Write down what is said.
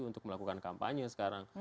untuk melakukan kampanye sekarang